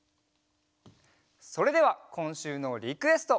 それではこんしゅうのリクエスト！